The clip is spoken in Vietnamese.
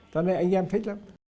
cho nên anh em thích lắm